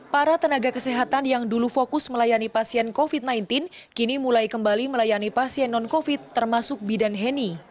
para tenaga kesehatan yang dulu fokus melayani pasien covid sembilan belas kini mulai kembali melayani pasien non covid termasuk bidan heni